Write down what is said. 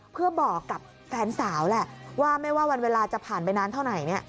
เพื่อบอกกับแฟนสาวแหละว่าไม่ว่าวันเวลาจะผ่านไปนานเท่าไหน